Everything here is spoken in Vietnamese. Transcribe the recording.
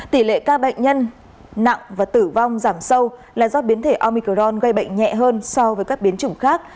tỷ lệ ca bệnh nhân nặng và tử vong giảm sâu là do biến thể ormicron gây bệnh nhẹ hơn so với các biến chủng khác